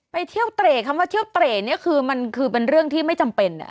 ไปเที่ยวเตร่คำว่าเที่ยวเตร่เนี่ยคือมันคือเป็นเรื่องที่ไม่จำเป็น